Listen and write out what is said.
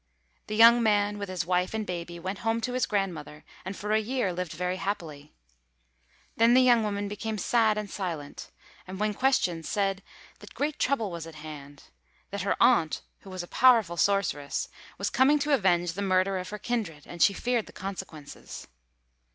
The young man, with his wife and baby, went home to his grandmother, and for a year lived very happily. Then the young woman became sad and silent and, when questioned, said that great trouble was at hand, that her aunt, who was a powerful sorceress, was coming to avenge the murder of her kindred, and she feared the consequences.